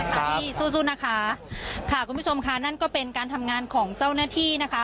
คุณผู้ชมค่ะนั่นก็เป็นการทำงานของเจ้าหน้าที่